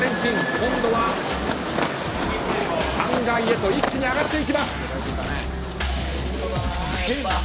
今度は３階へと一気に上がっていきます。